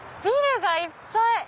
ビルがいっぱい！